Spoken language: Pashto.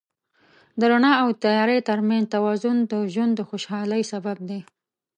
د رڼا او تیاره تر منځ توازن د ژوند د خوشحالۍ سبب دی.